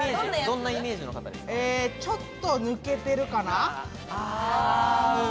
ちょっと抜けてるかな。